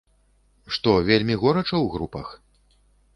Што, вельмі горача ў групах?